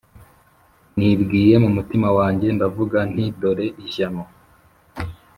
Nibwiye mu mutima wanjye ndavuga nti Dore ishyano